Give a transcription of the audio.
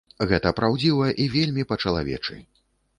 Гэта праўдзіва і вельмі па-чалавечы.